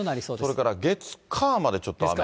それから月、火までちょっと雨。